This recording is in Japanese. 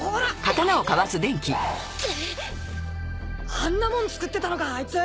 あんなもん作ってたのかアイツ。